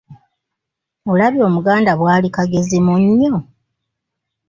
Olabye Omuganda bwali “kagezi munnyo?